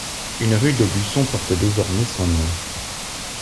Une rue d'Aubusson porte désormais son nom.